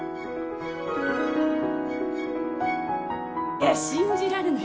いや信じられない！